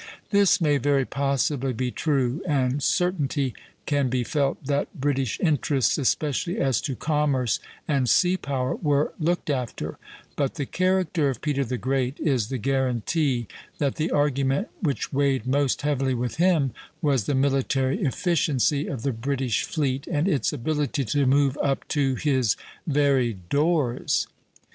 This may very possibly be true, and certainty can be felt that British interests, especially as to commerce and sea power, were looked after; but the character of Peter the Great is the guarantee that the argument which weighed most heavily with him was the military efficiency of the British fleet and its ability to move up to his very doors.